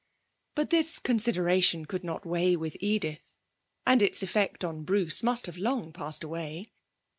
But this consideration could not weigh with Edith, and its effect on Bruce must have long passed away.